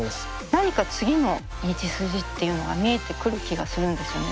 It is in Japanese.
何か次の道筋っていうのが見えてくる気がするんですよね。